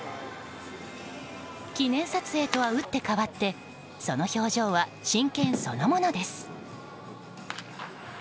記念撮影とは打って変わってその表情は真剣そのものです。